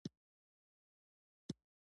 د راډیو افغانستان په اژانس کې هم.